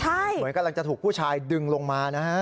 เหมือนกำลังจะถูกผู้ชายดึงลงมานะฮะ